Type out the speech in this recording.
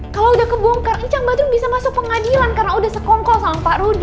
kalo udah kebongkar ini cang badrun bisa masuk pengadilan karena udah sekongkol sama pak rudy